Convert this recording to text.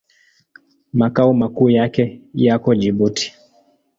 Makao makuu yake yako Jibuti.